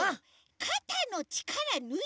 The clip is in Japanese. かたのちからぬいて。